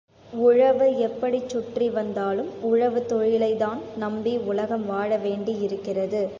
உழவு எப்படிச் சுற்றி வந்தாலும் உழவுத் தொழிலைத்தான் நம்பி உலகம் வாழ வேண்டி இருக்கிறது.